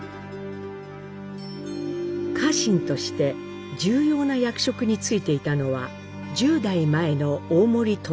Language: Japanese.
家臣として重要な役職に就いていたのは１０代前の大森豊